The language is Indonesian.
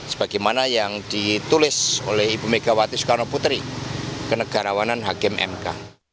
sebagaimana yang ditulis oleh ibu megawati soekarno putri kenegarawanan hakim mk